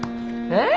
えっ？